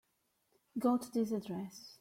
Go to this address.